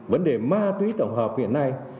vấn đề ma túy tổng hợp hiện nay